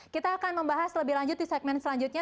kita akan membahas lebih lanjut di segmen selanjutnya